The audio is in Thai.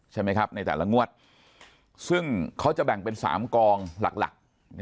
ใช่ไหมครับในแต่ละงวดซึ่งเขาจะแบ่งเป็น๓กองหลัก